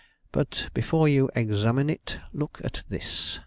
But, before you examine it, look at this."